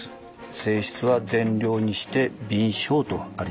「性質は善良にして敏捷」とあります。